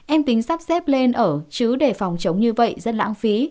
em tính sắp xếp lên ở chứ để phòng chống như vậy rất lãng phí